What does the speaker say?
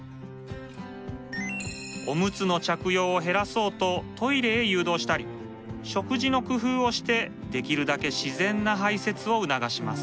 おむつの着用を減らそうとトイレへ誘導したり食事の工夫をしてできるだけ自然な排せつを促します。